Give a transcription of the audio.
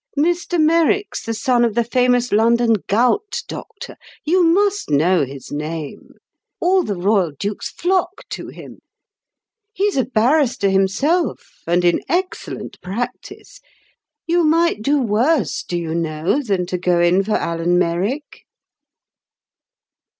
Mr Merrick's the son of the famous London gout doctor—you must know his name—all the royal dukes flock to him. He's a barrister himself, and in excellent practice. You might do worse, do you know, than to go in for Alan Merrick."